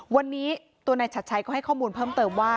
วันนี้ตัวนายชัดชัยก็ให้ข้อมูลเพิ่มเติมว่า